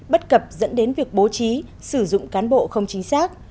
bất cập dẫn đến việc bố trí sử dụng cán bộ không chính xác